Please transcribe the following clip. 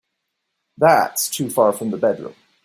That's too far from the bedroom.